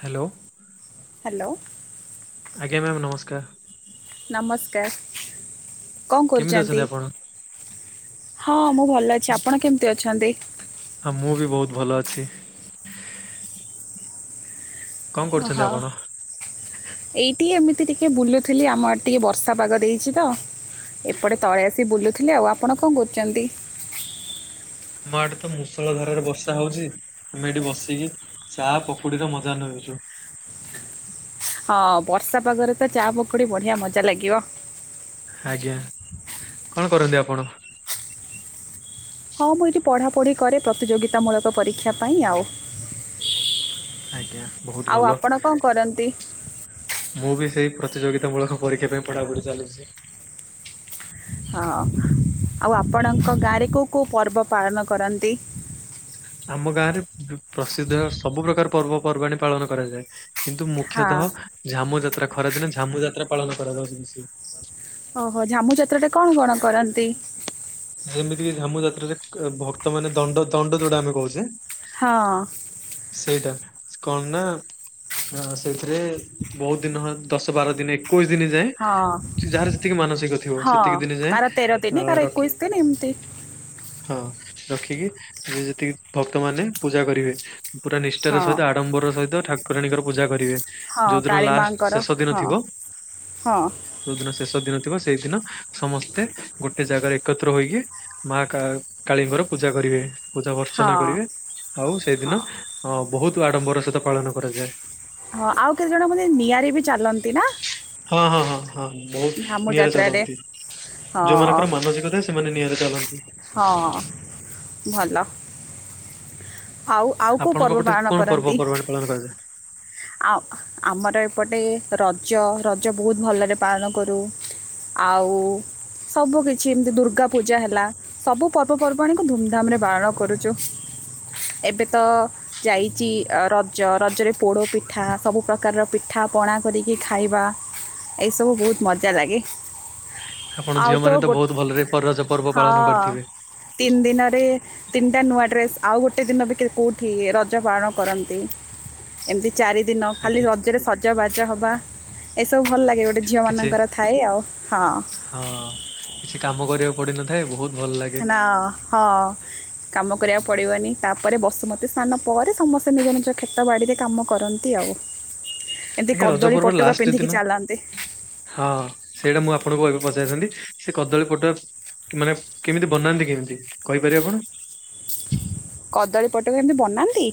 Hello. Hello. ଆଜ୍ଞା ma'am ନମସ୍କାର୍। ନମସ୍କାର କଣ କେମିତି ଅଛନ୍ତି କରୁଚନ୍ତି। ଆପଣ? ହଁ ମୁଁ ଭଲ ଅଛି। ଆପଣ କେମ୍ତି ଅଛନ୍ତି? ହଁ ମୁଁ ବି ବୋହୁତ୍ ଭଲ ଅଛି। କଣ ଅ କରୁଛନ୍ତି ହ। ଆପଣ? ଏଇଠି ଏମିତି ଟିକେ ବୁଲୁଥିଲି ଆମ ଆଡେ ଟିକେ ବର୍ଷା ପାଗ ଦେଇଚି ତ। ଏପଟେ ତଳେ ଆସି ବୁଲୁଥିଲି। ଆଉ ଆପଣ କଣ କରୁଚନ୍ତି? ଆମ ଆଡେ ତ ମୂଷଳ ଧାରାରେ ବର୍ଷା ହୋଉଚି ଆମେ ଏଠି ବସିକି ଚା ପକୁଡିର ମଜା ନେଉଚୁ। ହଁ ବର୍ଷା ପାଗରେ ତ ଚା ପକୁଡି ବଢିଆ ମଜା ଲାଗିବ। ଆଜ୍ଞା କଣ କରନ୍ତି ଆପଣ? ହଁ ମୁଁ ଏଇଠି ପଢ଼ାପଢ଼ି କରେ ପ୍ରତିଯୋଗିତାମୂଳକ ପରୀକ୍ଷା ପାଇଁ ଆଉ। ଆଜ୍ଞା ବହୁତ ଆଉ ଭଲ। ଆପଣ କ'ଣ କରନ୍ତି ମୁଁ ବି ସେଇ ପ୍ରତିଯୋଗିତା ମୂଳକ ପରୀକ୍ଷା ପାଇଁ ପଢାପଢି ଚାଲିଚି। ହଁ ଆଉ ଆପଣଙ୍କ ଗାଁରେ କୋଉ କୋଉ ପର୍ବ ପାଳନ କରନ୍ତି? ଆମ ଗାଁ ରେ ପୁ ପ୍ରସିଦ୍ଧ ସବୁ ପ୍ରକାର ପର୍ବପର୍ବାଣୀ ପାଳନ କରାଯାଏ। କିନ୍ତୁ ହଁ ମୁଖ୍ୟତଃ ଝାମୁ ଯାତ୍ରା ଖରାଦିନେ ଝାମୁ ଯାତ୍ରା ପାଳନ କରାଯାଉଚି ବିଶେ ଓହୋ ଝାମୁ ଯାତ୍ରା ଟା କଣ କଣ କରନ୍ତି? ଯେମିତିକି ଝାମୁ ଯାତ୍ରାରେ କ୍ ଭକ୍ତ ମାନେ ଦଣ୍ଡ ଦଣ୍ଡ ଯୋଉଟା ଆମେ କହୁଚେ। ହଁ। ସେଇଟା କଣ ନା ହ ସେଇଥିରେ ବୋହୁତ ଦିନ ହଁ ଦଶ ବାର ଦିନି ଏକୋଇସ ଦିନ ଯାଏଁ ହଁ ଯାହାର ଯେତିକି ମାନସିକ ଥିବ ହଁ ସେତିକି ଦିନି କାର ତେର ଦିନି ଯାଏଁ କାର ଏକୋଇଶ ରଖି ଦିନ ଏମିତି ହଁ ରଖିକି ଯିଏ ଯେତିକି ଭକ୍ତ ମାନେ ପୂଜା କରିବେ। ପୁରା ନିଷ୍ଠାର ହଁ ସଇତ ଆଡ଼ମ୍ବର ସଇତ ଠାକୁରାଣୀଙ୍କର ପୂଜା କରିବେ। ହଁ ଯୋଉଦିନ କାଳୀ ଲାଷ୍ଟ ମାଙ୍କର ଶେଷ ଦିନ ହଁ ଥିବ ହଁ ଯୋଉ ଦିନ ଶେଷ ଦିନ ଥିବ ସେଇଦିନ ସମସ୍ତେ ଗୋଟେ ଜାଗାରେ ଏକତ୍ର ହୋଇକି ମା କା କାଳୀଙ୍କର ପୂଜା କରିବେ। ପୂଜା ବର୍ଚ୍ଚନା ହଁ କରିବେ ଆଉ ହଁ ସେଇଦିନ ଅ ବହୁତ୍ ଆଡ଼ମ୍ବର ସହିତ ପାଳନ କରାଯାଏ। ହଁ ଆଉ କେତେ ଜଣ ବୋଧେ ନିଆରେ ବି ଚାଲନ୍ତି ନା। ହଁ ହଁ ହଁ ହଁ ଝାମୁ ବହୁତ ନିଆଁରେ ଯାତ୍ରାରେ ଚାଲନ୍ତି ହଁ ଯୋଉମାନଙ୍କର ମାନସିକ ଥାଏ ସେ ସେମାନେ ନିଆଁରେ ଚାଲନ୍ତି। ହଁ ଭଲ। ଆଉ ଆଉ କେଉଁ ଆପଣଙ୍କ ପର୍ବ ପଟେ ପାଳନ କଣ କରନ୍ତି ପର୍ବପର୍ବାଣଣି ପାଳନ କରାଯାଏ? ଆଉ ଆ ଆମର ଏପଟେ ରଜ ରଜ ବହୁତ ଭଲରେ ପାଳନ କରୁ। ଆଉ ସବୁ କିଛି ଏମତି ଦୁର୍ଗା ପୂଜା ହେଲା ସବୁ ପର୍ବପର୍ବାଣୀ କୁ ଧୁମଧାମ ରେ ପାଳନ କରୁଚୁ। ଏବେ ତ ଯାଇଚି ଅ ରଜ ରଜରେ ପୋଡ ପି ଠା ସବୁ ପ୍ରକାରର ପିଠାପଣା କରିକି ଖାଇବା। ଏଇସବୁ ବହୁତ ମଜା ଲାଗେ। ଆପଣ ଆଉ ଝିଅ ମାନେ ତ ଗୋ ବହୁତ ଭଲରେ ପର ରଜ ପର୍ବ ପାଳନ କରିଥିବେ। ତିନ ଦିନରେ ତିନିଟା ନୂଆ ଡ୍ରେସ୍ ଆଉ ଗୋଟେ ଦିନ ବି କେ କୋଉଠି ରଜ ପାଳନ କରନ୍ତି ଏମତି ଚାରି ଦିନ ଖାଲି ଆଜ୍ଞା ରଜରେ ସଜ ବାଜ ହବା ଏସବୁ ଭଲ ଲାଗେ ଗୋ ଟେ ଝିଅ କିଛି ମାନଙ୍କର ଥାଏ ଆଉ ହଁ। ହଁ କିଛି କାମ କରିବାକୁ ପଡିିନଥାଏ ବହୁତ ଭଲ ଲାଗେ। ହେ ନା ହ କାମ କରିବାକୁ ପଡିବନି ତାପରେ ବସୁମତୀ ସ୍ନାନ ପରେ ସମସ୍ତେ ନିଜ ନିଜ କ୍ଷେତ ବାଡିରେ କାମ କରନ୍ ନ୍ତି ଆଉ ଏମିତି ଆଜ୍ଞା ରଜ କଦଳୀ ପର୍ବ ପଟୁକା ଲାଷ୍ଟ ପିନ୍ଧିକି ଦିନ ଚାଲନ୍ତି। ହଁ ସେଇଟା ମୁଁ ଆପଣଙ୍କୁ ଏବେ ପଚାରିଥାନ୍ତି ସେ କଦଳୀ ପଟୁଆ କି ମାନେ କେମିତି ବନାନ୍ତି କେମିତି କହିପାରିବେ ଆପଣ? କଦଳୀ ପଟୁଅ ଏମତି ବନାନ୍ତି?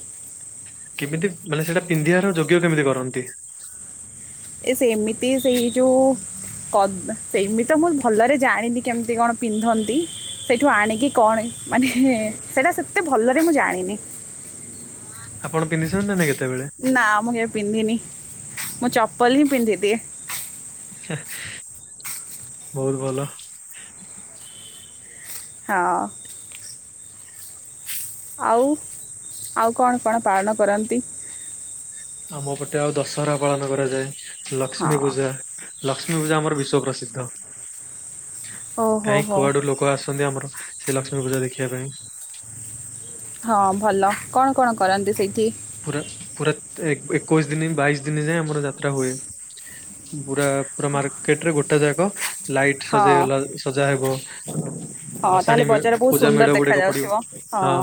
କେମିତି ମାନେ ସେଇଟା ପିନ୍ଧିଆର ଯୋଗ୍ୟ କେମିତି କରନ୍ତି? ଏ ସେମିତି ସେଇ ଯୋଉ କଦ ସେଇମିତି ତ ମୁଁ ଭଲରେ ଜାଣିନି କେମିତି କଣ ପିନ୍ଧନ୍ତି ସେଇଠୁ ଆଣିକି କଣ ମାନେ ହେ ସେଇଟା ସେତେ ଭଲରେ ମୁଁ ଜାଣିନି। ଆପଣ ପିନ୍ଧିଛନ୍ତି ନାଇଁ କେତେବେଳେ? ନା ମୁଁ କେବେ ପିନ୍ଧିନି ମୁଁ ଚପଲ ହିଁ ପିନ୍ଧି ଦିଏ। ବହୁତ ଭଲ। [inaudible] ହଁ। ଆଉ ଆଉ କଣ କଣ ପାଳନ କରନ୍ତି? ଆମ ପଟେ ଆଉ ଦଶହରା ପାଳନ କରାଯାଏ। ହଁ ଲକ୍ଷ୍ମୀ ପୂଜା ଲକ୍ଷ୍ମୀ ପୂଜା ଆମର ବିଶ୍ୱ ପ୍ରସ ସିଦ୍ଧ ଓହୋ କାହିଁ ହୋ କୁଆଡୁ ଲୋକ ଆସନ୍ତି ଆମର ସେ ଲକ୍ଷ୍ମୀ ପୂଜା ଦେଖିବା ପାଇଁ। ହଁ ଭଲ କଣ କଣ କରନ୍ତି ସେଇଠି? ପୁରା ପୁରା ତେ ଏକ୍ ଏକୋଇଶି ଦିନି ବାଇଶି ଦିନି ଯାଏଁ ଆମର ଯାତ୍ରା ହୁଏ। ବୁରା ପୁରା ମାର୍କେଟ ରେ ଗୋଟା ଯାକ ଲାଇଟ୍ ହଁ ସଜେଇ ଏଲା ସଜା ହେବ। ହଁ ତାହେଲେ ଭସାଣି ମେ ବଜାର ବହୁତ ପୂଜା ସୁନ୍ଦର ମେଢ ଗୁଡିକ ଦେଖାଯାଉଥିବ ପଡିବ ହଁ।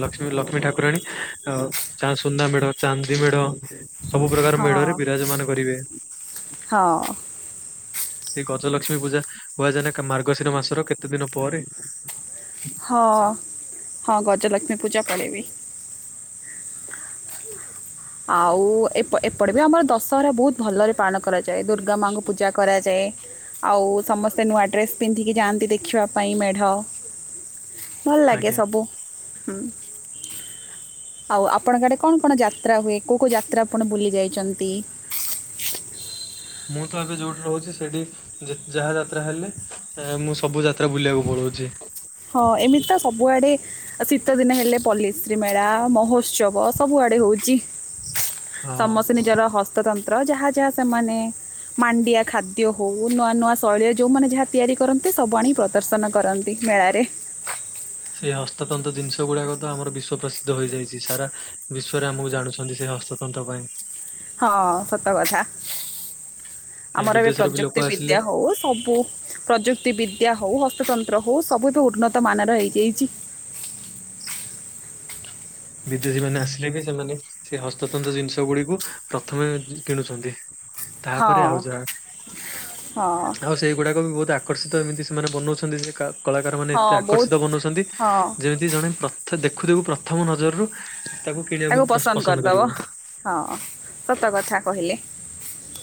ଲକ୍ସ୍ମି ଲକ୍ଷ୍ମୀ ଠାକୁରାଣୀ ଅ ଚା ସୁନା ମେଢ, ଚାନ୍ଦି ମେଢ ସବୁ ପ୍ରକାର ହଁ ମେଢରେ ବିରାଜମାନ କରିବେ। ହଁ। ସେଇ ଗଜଲକ୍ସ୍ମୀ ପୂଜା କୁହା ଯାଏନା କା ମାର୍ଗଶିର ମାସର କେତେ ଦିନ ପରେ ହଁ ହଁ ଗଜଲକ୍ଷ୍ମୀ ପୂଜା ପଡେ ବି। ଆଉ ଏପ ଏପଟେ ବି ଆମର ଦଶହରା ବହୁତ ଭଲରେ ପାଳନ କରାଯାଏ। ଦୁର୍ଗା ମାଙ୍କୁ ପୂଜା କରାଯାଏ। ଆଉ ସମସ୍ତେ ନୂଆ ଡ୍ରେସ୍ ପିନ୍ଧିକି ଯାଆନ୍ତି ଦେଖବା ପାଇଁ ମେଢ଼। ଭଲ ଲାଗେ ଆଜ୍ଞା। ସବୁ। ହୁଁ, ଆଉ ଆପଣଙ୍କ ଆଡେ କଣ କଣ ଜା ଯାତ୍ରା ହୁଏ କୋଉ କୋଉ ଯାତ୍ରା ଆପଣ ବୁଲି ଯାଇଛନ୍ତି। ମୁଁ ତ ଏବେ ଯୋଉଠି ରହୁଛି ସେଇଠି ଯାହା ଯାତ୍ରା ହେଲେ ମୁଁ ସବୁ ଯାତ୍ରା ବୁଲିବାକୁ ପଳଉଛି। ହଁ ଏମିତି ତ ସବୁଆଡେ ଆ ଶୀତ ଦିନ ହେଲେ ପଲ୍ଲଶ୍ରୀ ମେଳା, ମହୋତ୍ସବ ସବୁଆଡେ ହଉଛି। ହଁ ସମସ୍ତେ ନିଜର ହସ୍ତତନ୍ତ୍ର, ଯାହା ଯାହା ସେମାନେ ମାଣ୍ଡିଆ ଖାଦ୍ୟ ହୋଉ ନୂଆ ନୂଆ ଶୈଳୀରେ ଯୋଉମାନେ ଯାହା ତିଆରି କରନ୍ତି ସବୁ ଆଣି ପ୍ରଦର୍ଶନ କରନ୍ତି। ମେଳାରେ। ସେଇ ହସ୍ତତନ୍ତ୍ର ଜିନିଷ ଗୁଡାକ ତ ଆମର ବିଶ୍ଵ ପ୍ରସିଦ୍ଧ ହେଇଯାଇଛି। ସାରା ବିଶ୍ଵରେ ଆମକୁ ଜାଣୁଛନ୍ତି ସେ ହସ୍ତତନ୍ତ୍ର ପାଇଁ। ହଁ, ସତ କଥା। କାଇଁ ଆମର ଏବେ ବିଦେଶରୁ ବି ଲୋକ ପ୍ରଯୁକ୍ତି ଆସିଲେ ବିଦ୍ୟା ହଉ, ସବୁ ପ୍ରଯୁକ୍ତି ବିଦ୍ୟା ହଉ, ହସ୍ତତନ୍ତ୍ର ହଉ, ସବୁଠୁ ଉନ୍ନତ ମାନର ହେଇଯାଇଛି। ବିଦେଶୀ ମାନେ ଆସିଲେ ବି, ସେମାନେ ସେ ହସ୍ତତନ୍ତ ଜିନିଷ ଗୁଡିକୁ ପ୍ରଥମେ କିଣୁଛନ୍ତି। ତାପରେ ହଁ ଆଉ ଯାହା। ହଁ ଆଉ ସେଇଗୁଡାକ ବି ବହୁତ ଆ ଆକର୍ଷିତ ଏମିତି ସେମାନେ ବନଉଛନ୍ତି ଯେ କା କଳାକାର ମାନେ ହଁ ଏତେ ବହୁତ ଆକର୍ଷିତ ବନଉଛନ୍ତି ହଁ ଯେ କି ଜଣେ ଦେଖୁ ଦେଖୁ ପ୍ରଥମ ନଜରରୁ ତାକୁ କିଣିବାକୁ ପସନ୍ଦ କରିବ। ହଁ, ସତ କଥା କହିଲେ।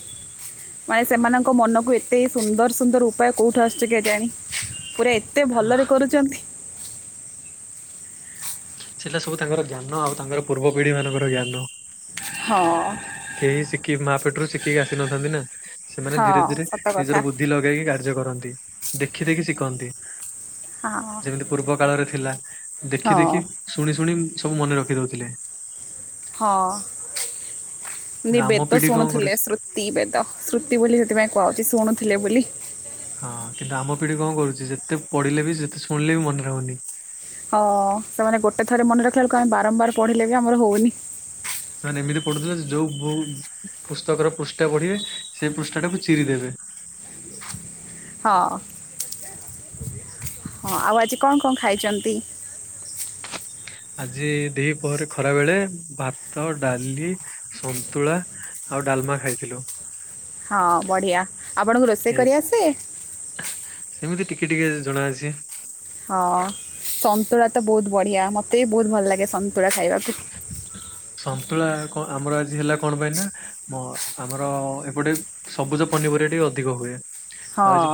[inaudible] ମାନେ ସେମାନଙ୍କ ମନକୁ ଏତେ ସୁନ୍ଦର ସୁନ୍ଦର ଉପାୟ କୋଉଠୁ ଆସୁଛି କେଜାଣି। ପୁରା ଏତେ ଭଲରେ କରୁଛନ୍ତି। ସେଇଟା ସବୁ ତାଙ୍କର ଜ୍ଞାନ ଆଉ ତାଙ୍କର ପୂର୍ବ ପିଢି ମାନଙ୍କର ଜ୍ଞାନ। ହଁ। କେହି ଶିଖିକି ମା ପେଟରୁ ଶିଖିକି ଆସି ନଥାନ୍ତି ନା, ସେମାନେ ହଁ ଧୀରେ ଧୀରେ ସତ କଥା ନିଜର ବୁଦ୍ଧି ଲଗ ଲଗେଇକି କାର୍ଯ୍ୟ କରନ୍ତି, ଦେଖି ଦେଖି ଶିଖନ୍ତି। ହଁ। ଯେମିତି ପୂର୍ବ କାଳରେ ଥିଲା ଦେଖି ହଁ ଦେଖି, ଶୁଣି ଶୁଣି ସବୁ ମନେରଖି ଦଉଥିଲେ। ହଁ ଆମ ନିବେଦ ପିଢି କଣ ଶୁଣୁଥିଲେ। କରୁଛି ଶ୍ରୁ ନିବେଦ, ଶ୍ରୁତି ବୋଲି ସେଥିପାଇଁ କୁହାହୋଉଛି ଶୁଣୁଥିଲେ ବୋଲି। ହଁ, କିନ୍ତୁ ଆମ ପିଢି କଣ କରୁଛି ଯେତେ ପଢ଼ିଲେ ବି, ଯେତେ ଶୁଣିଲେ ବି ମନେ ରହୁନି। ଅ ସେମାନେ ଗୋଟେ ଥରେ ମନେ ରଖିଲାବେଳକୁ ଆମେ ବାରମ୍ବାର ପଢିଲେ ବି ଆମର ହଉନି। ସେମାନେ ଏମିତି ପଢୁଥିଲେ ଯେ ଯୋଉ ପୁସ୍ତକର ପୃଷ୍ଠା ପଢିବେ ସେ ପୃଷ୍ଠା ଟାକୁ ଚିରି ଦେବେ। ହଁ। ହଁ, ଆଉ ଆଜି କଣ କଣ ଖାଇଚନ୍ତି? ଆଜି ଦି ପହରେ, ଖରା ବେଳେ ଭାତ, ଡାଲି ସନ୍ତୁଳା ଆଉ ଡାଲମା ଖାଇଥିଲୁ। ହଁ ବଢିଆ। ଆପଣଙ୍କୁ ରୋଷେଇ ଏ କରିଆସେ? ସେମିତି ଟିକେ ଟିକେ ଜଣା ଅଛି। ହଁ ସନ୍ତୁଳା ତ ବହୁତ ବଢ଼ିଆ ମତେ ବି ବହୁତ ଭଲ ଲାଗେ ସନ୍ତୁଳା ଖାଇବାକୁ। ସନ୍ତୁଳା କ ଆମର ଆଜି ହେଲା କଣ ପାଇଁ ନାଁ? ମ ଆମର ଏପଟେ ସବୁଜ ପନିପରିବା ଟିକେ ଅଧିକ ହୁଏ। ଆଉ ହଁ ଆଜି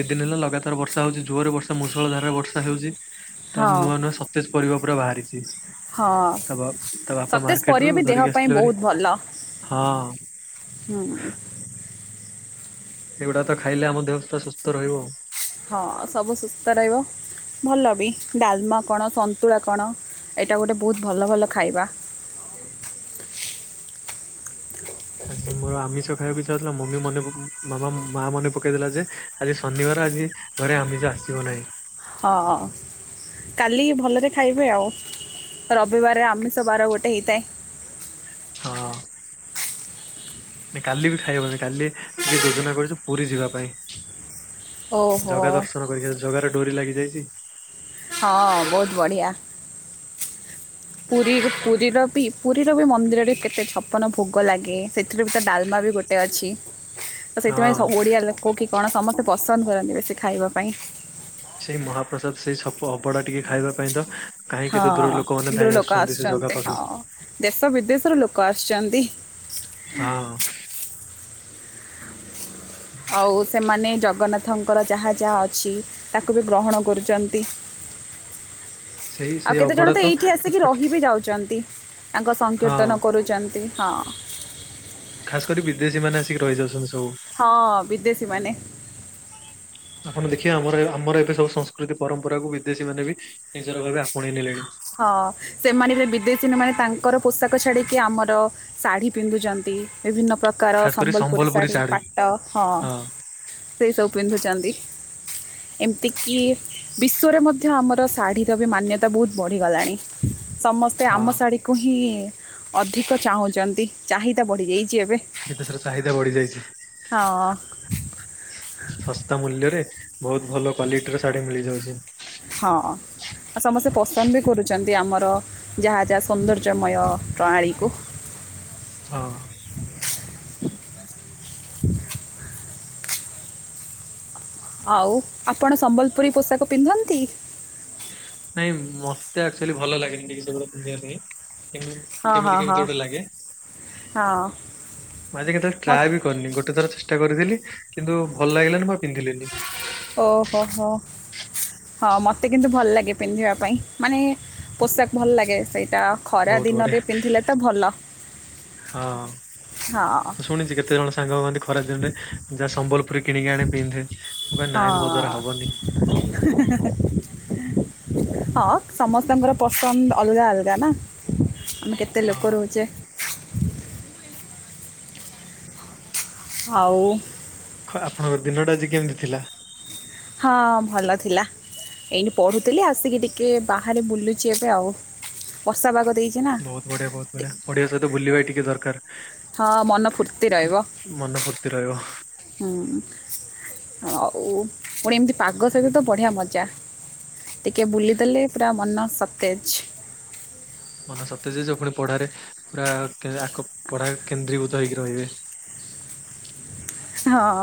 ଦି ଦିନ ହେଲା ଲଗାତାର ବର୍ଷା ହଉଛି ଜୋରେ ବର୍ଷା ମୂଷଳ ଧାରାରେ ବର୍ଷା ହେଉଛି। ତ ମୁ ହଁ ନୂଆ ନୂଆ ସତେଜ ପରିବା ପୁରା ବାହାରିଛି। ହଁ ତା ବା ତା ବାପା ସତେଜ ମାର୍କେଟ ରୁ ପରିବା ବି ଦେହ ଧରିକି ପାଇଁ ଆସିଥିଲେ ଭାରି। ବହୁତ ଭଲ। ହଁ। ହୁଁ। ଏଇଗୁଡ଼ା ତ ଖାଇଲେ ଆମ ଦେହ ପୁରା ସୁସ୍ଥ ରହିବ ଆଉ। ହଁ ସବୁ ସୁସ୍ଥ ରହିବ। ଭଲ ବି ଡାଲମା କଣ ସନ୍ତୁଳା କଣ ଏଇଟା ଗୋଟେ ବହୁତ୍ ଭଲ ଭଲ ଖାଇବା। ଆଜି ମୋର ଆମିଷ ଖାଇବାକୁ ଇଛା ହଉଥିଲା ମମି ମନେ ପକ ମାମା ମା ମନେ ପକେଇଦେଲା ଯେ ଆଜି ଶନିବାର ଆଜି ଘରେ ଆମିସ ଆସିବ ନାହିଁ। ହଁ। କାଲି ଭଲରେ ଖାଇବେ ଆଉ ରବିବାରେ ଆମିଷ ବାର ଗୋଟେ ହେଇଥାଏ। ହଁ। କାଲି ବି ଖାଇବନି କାଲି ଟିକେ ଯୋଜନା କରୁଛୁ ପୁରୀ ଯିବା ପାଇଁ। ଓହୋ ଜଗା ଦର୍ଶନ କରିକି ଜଗାର ଡୋରି ଲାଗି ଯାଇଛି। ହଁ ବହୁତ ବଢ଼ିଆ। ପୁରୀ ପୁରୀର ବି ପୁରୀର ବି ମନ୍ଦିରରେ କେତେ ଛପନ ଭୋଗ ଲାଗେ ସେଥିରେ ବି ତା ଡାଲମା ବି ଗୋ ଟେ ଅଛି। ହଁ ତ ସେଇଥିପାଇଁ ସବୁ ଓଡ଼ିଆ ଲୋକ କି କଣ ସମସ୍ତେ ପସନ୍ଦ କରନ୍ତି ବେଶୀ ଖାଇବା ପାଇଁ। ସେଇ ମହାପ୍ରସାଦ ସେଇ ସପ ଅବଢ଼ା ଟିକେ ଖାଇବା ପାଇଁ ତ କାହିଁ କେତେ ଦୂର ହଁ ଲୋକମାନେ ଦୂର ଧାଇଁ ଲୋକ ଆସୁଛନ୍ତି ସେ ଜାଗା ପାଖୁକୁ। ହଁ ଦେଶ ବିଦେଶରୁ ଲୋକ ଆଶୁଛନ୍ତି। ହଁ। ଆଉ ସେମାନେ ଜଗନ୍ନା ଥଙ୍କର ଯାହା ଯାହା ଅଛି ତାକୁ ବି ଗ୍ରହଣ କରୁଛନ୍ତି। ସେଇ ଆଉ ସେଇ କେତେ ଜଣ ଅବଡା ତ ଏଇଠି ଆସିକି ରହି ବିି ଯାଉଛନ୍ତି। ତାଙ୍କ ହଁ ସଂକୀର୍ତ୍ତନ କରୁଛନ୍ତି ହଁ। ଖାସ କରି ବିଦେଶୀ ମାନେ ଆସିକି ରହିଯାଉଛନ୍ତି ସବୁ। ହଁ ବିଦେଶୀ ମାନେ। ଆପଣ ଦେଖିବେ ଆମର ଆମର ଏବେ ସବୁ ସଂସ୍କୃତି ପରମ୍ପରାକୁୁ ବିଦେଶୀ ମାନେ ବି ନିଜର ଭାବେ ଆପଣେଇ ନେଲେଣି। ହଁ ସେମାନେ ବି ବିଦେଶୀ ମାନେ ତାଙ୍କର ପୋଷାକ ଛାଡ଼ିକି ଆମର ଶାଢ଼ୀ ପିନ୍ଧୁଛନ୍ତି ବିଭିନ୍ନ ପ୍ରକାର ଖାସ କରି ସମ୍ବଲପୁରୀ ଶାଢ଼ୀ ଶାଢୀ ପାଟ ହଁ। ସେଇ ସବୁ ପିନ୍ଧୁ ଚନ୍ତୀ। ଏମିତିକି ବିଶ୍ଵରେ ମଧ୍ୟ ଆମର ଶାଢ଼ୀର ବି ମାନ୍ୟତା ବହୁତ ବଢ଼ିଗଲାଣି ସମସ୍ତେ ଆମ ହଁ। ଶାଢ଼ୀ ତାକୁ ହିଁ ଅଧିକ ଚାହୁଁଛନ୍ତି ଚାହିଦା ବଢ଼ିଯାଇଛି ଏବେ। ଦେଶର ଚାହିଦା ବଢ଼ିଯାଇଛି। ହଁ। ଶସ୍ତା ମୂଲ୍ୟରେ ବହୁତ ଭଲ କ୍ଵାଲିଟିର ଶାଢ଼ୀ ମିଳିଯାଉଛି। ହଁ। ଆଉ ସମସ୍ତେ ପସନ୍ଦ ବି କରୁଚନ୍ତି ଆମର, ଯାହା ଯାହା ସୌନ୍ଦର୍ଯ୍ୟମୟ ପ୍ରଣାଳୀ କୁ। ହଁ। ଆଉ ଆପଣ ସମ୍ବଲପୁରୀ ପୋଷାକ ପିନ୍ଧନ୍ତି? ନାଇଁ, ମତେ ଆକ୍ଚୁଆଲି ଭଲ ଲାଗେନି, ଟିକେ ସେଗୁଡା ପିନ୍ଧିବା ପାଇଁ କେମ୍ ହଁ କେମିତି ହଁ ହଁ କେମିତି ଗୋଟେ ଲାଗେ? ହଁ ମୁଁ ଆଜି କେତେଳେ ମତ ଟ୍ରାଏ ବି କରିନି। ଗୋଟେ ଥର ଚେଷ୍ଟା କରିଥିଲି, କିନ୍ତୁ ଭଲ ଲାଗିଲାନି, ମୁଁ ଆଉ ପିନ୍ଧିଲିନି। ଓ ହୋ, ହୋ। ହଁ, ମତେ କିନ୍ତୁ ଭଲ ଲାଗେ ପିନ୍ଧିବା ପାଇଁ। ମାନେ, ପୋଷାକ ଭଲ ଲାଗେ, ସେଇଟା ଖରା ବହୁତ ବଢିଆ ଦିନରେ ପିନ୍ଧିଲେ ତ ଭଲ, ହଁ। ଶୁଣିଚି, କେତେ ଜଣ ସାଙ୍ଗ କୁଅନ୍ତି? ଖରା ଦିନରେ, ଯା ସମ୍ବଲପୁରୀ କିଣିକି ଆଣେ ପିନ୍ଧେ। ମୁଁ କହେ ନାଇଁ ମୋ ଦ୍ଵାରା ହଁ-ଅଁ ହବନି [unintelligible] ହଁ, ସମସ୍ତଙ୍କର ପସନ୍ଦ ଅଲଗା ଅଲଗା ନା। ଆମେ କେତେ ହଁ। ଲୋକ ରହୁଚେ? ଆଉ ଖ ଆପଣଙ୍କ ଦିନଟା ଆଜି କେମିତି ଥିଲା? ହଁ, ଭଲ ଥିଲା। ଏଇଠି ପଢ଼ୁଥିଲି ଆସିକି ଟିକେ ବାହାରେ ବୁଲୁଚି ଏବେ ଆଉ। ବର୍ଷା ପାଗ‌ ଦେଇଚି ନା! ବହୁତ ବଢ଼ିଆ! ବହୁତ ବଢିଆ! ଟିକେ- ପଢ଼ିବା ସହିତ ବୁଲିବା ଟିକେ ଦରକାର। ହଁ, ମନ ଫୁର୍ତ୍ତି ରହିବ। ମନ ଫୁର୍ତ୍ତି ରହିବ ହୁଁ, ଆଉ ପୁଣି ଏମତି ପାଗ ସହିତ ତ ବଢିଆ ମଜା! ଟିକେ ବୁଲିଦେଲେ ପୁରା ମନ ସତେଜ୍। ମନ ସତେଜ ହେଇଯିବ। ପୁଣି ପଢା଼ରେ ପୁରା-ଆ କି ଆକପ୍ ପଢ଼ାରେ କେନ୍ଦ୍ରୀଭୂତ ହେଇକି ରହିବେ। ହଁ।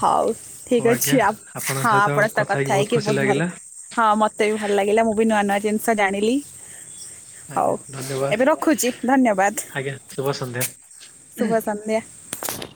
ହଉ ଠିକ୍ ଅଛି। ଆପ୍ ହଁ ଆପଣଙ୍କ ସହିତ କଥା ହେଇକି ବହୁତ ଭଲ୍ ହଁ ମତେ ବି ଭଲ ଲାଗିଲା। ମୁଁ ବି ନୂଆ ନୂଆ ଜିନିଷ ଜାଣିଲି। ହଉ ଆଜ୍ଞା, ଏବେ ଧନ୍ୟବାଦ। ରଖୁଛି ଧନ୍ୟବାଦ ଆଜ୍ଞା, ଶୁଭ ସନ୍ଧ୍ୟା। ଶୁଭ ସନ୍ଧ୍ୟା। ହ